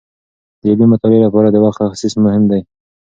د علمي مطالعې لپاره د وخت تخصیص مهم دی.